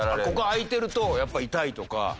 ここ開いてるとやっぱ痛いとか。